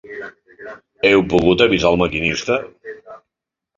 Heu pogut avisar al maquinista?